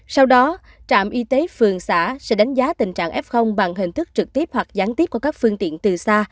sau đó trạm y tế phường xã sẽ đánh giá tình trạng f bằng hình thức trực tiếp hoặc gián tiếp của các phương tiện từ xa